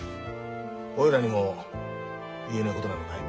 おいらにも言えないことなのかい？